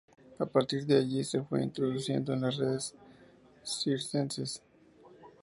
A partir de allí, se fue introduciendo en las artes circenses.